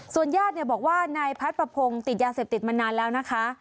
ส่วนญาติเนี่ยบอกว่านายพัฒน์ประพงษ์ติดยาเสพติดมานานแล้วนะคะ